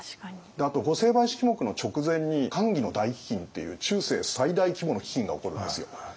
あと御成敗式目の直前に寛喜の大飢饉っていう中世最大規模の飢饉が起こるんですよ。